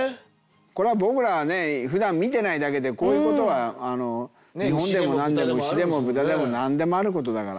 これは僕らはねふだん見てないだけでこういうことは日本でも何でも牛で豚でも何でもあることだから。